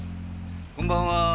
〔こんばんはー。